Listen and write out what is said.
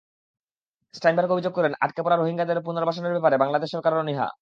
স্টাইনবার্গ অভিযোগ করেন, আটকে পড়া রোহিঙ্গাদের পুনর্বাসনের ব্যাপারে বাংলাদেশ সরকার অনীহ।